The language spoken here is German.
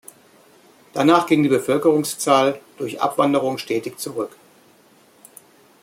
Danach ging die Bevölkerungszahl durch Abwanderung stetig zurück.